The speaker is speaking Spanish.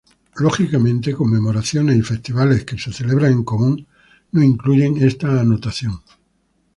Lógicamente, conmemoraciones y Festivales que se celebran en común, no incluyen esta anotación.